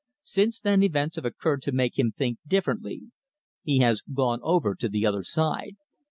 Since then events have occurred to make him think differently. He has gone over to the other side.